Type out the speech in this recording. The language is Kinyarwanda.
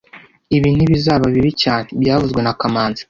Ibi ntibizaba bibi cyane byavuzwe na kamanzi